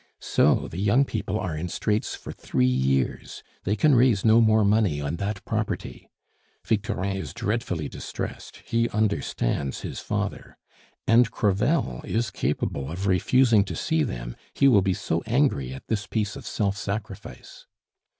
So the young people are in straits for three years; they can raise no more money on that property. Victorin is dreadfully distressed; he understands his father. And Crevel is capable of refusing to see them; he will be so angry at this piece of self sacrifice."